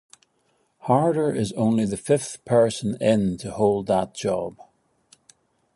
Harder is only the fifth person in to hold that job.